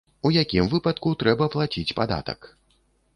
У якім выпадку трэба плаціць падатак?